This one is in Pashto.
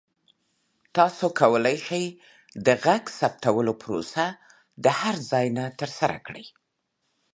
تاسو کولی شئ د غږ ثبتولو پروسه د هر ځای نه ترسره کړئ.